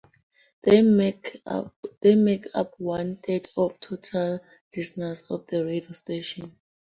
They make up one third of total listeners of the radio station.